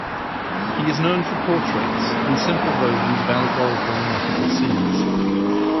He is known for portraits and simple versions of allegorical and mythical scenes.